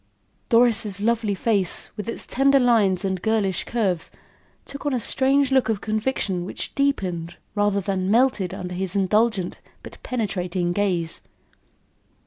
Doris' lovely face, with its tender lines and girlish curves, took on a strange look of conviction which deepened, rather than melted under his indulgent, but penetrating gaze.